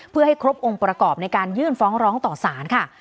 เพื่อให้ครบองค์ประกอบในการยื่นฟ้องร้องต่อสารค่ะ